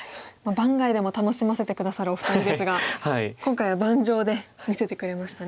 盤外でも楽しませて下さるお二人ですが今回は盤上で見せてくれましたね。